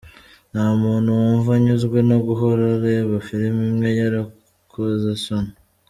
Nta muntu wumva anyuzwe no guhora areba filimi imwe y’urukozasoni.